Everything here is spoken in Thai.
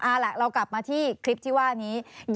เอาล่ะเรากลับมาที่คลิปที่ว่านี้